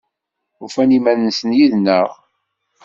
Ufan iman-nsen yid-neɣ?